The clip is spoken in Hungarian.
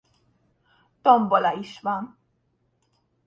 Tombola is van.